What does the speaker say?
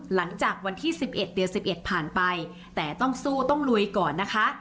หลังจากวันที่๑๑เดือน๑๑ผ่านไปแต่ต้องสู้ต้องลุยก่อนนะคะ